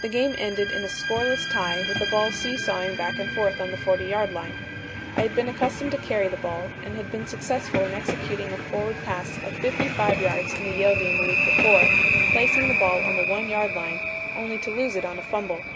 The game ended in a scoreless tie with the ball see sawing back and forth on the 40 yard line. I had been accustomed to carry the ball, and had been successful in executing a forward pass of fifty five yards in the Yale game the week before, placing the ball on the 1 yard line, only to lose it on a fumble.